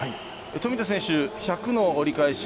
富田選手１００の折り返し